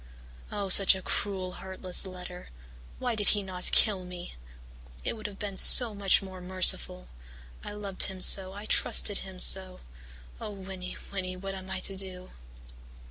Oh, such a cruel, heartless letter! Why did he not kill me? It would have been so much more merciful! I loved him so I trusted him so! Oh, Winnie, Winnie, what am I to do!'